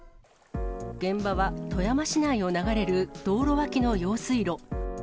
現場は富山市内を流れる道路脇の用水路。